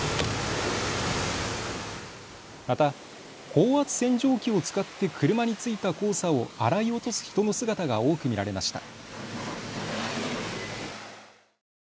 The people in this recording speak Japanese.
また高圧洗浄機を使って車に付いた黄砂を洗い落とす人の姿が多く見られました。